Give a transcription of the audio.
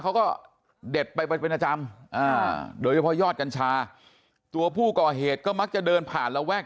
เขาก็เด็ดไปเป็นประจำโดยเฉพาะยอดกัญชาตัวผู้ก่อเหตุก็มักจะเดินผ่านระแวก